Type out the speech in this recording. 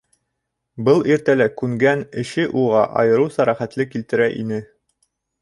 Был иртәлә күнгән эше уға айырыуса рәхәтлек килтерә ине.